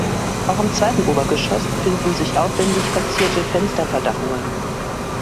Auch am zweiten Obergeschoss befinden sich aufwendig verzierte Fensterverdachungen.